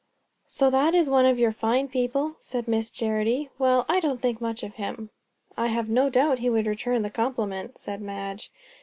"So that is one of your fine people?" said Miss Charity. "Well, I don't think much of him." "I have no doubt he would return the compliment," said Madge.